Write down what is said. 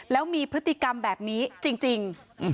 แล้วมีพฤติกรรมแบบนี้จริง